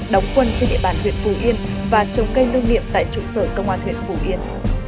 đóng quân trên địa bàn huyện phù yên và trồng cây lưu niệm tại trụ sở công an huyện phủ yên